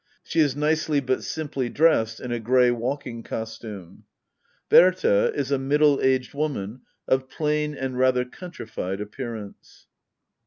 She is nicely but simply dressed in a grey walking costume. Bbrta is a middle aged woman of plain and rather countrified appearance.